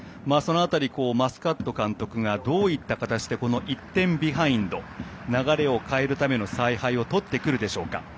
マスカット監督がどういった形で１点ビハインド流れを変えるための采配をとっていくのでしょうか。